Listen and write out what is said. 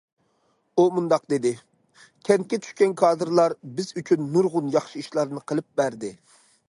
ئۇ مۇنداق دېدى: كەنتكە چۈشكەن كادىرلار بىز ئۈچۈن نۇرغۇن ياخشى ئىشلارنى قىلىپ بەردى.